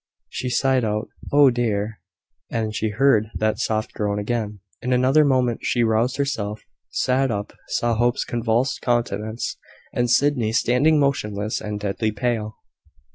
She sighed out, "Oh, dear!" and she heard that soft groan again. In another moment she roused herself, sat up, saw Hope's convulsed countenance, and Sydney standing motionless and deadly pale.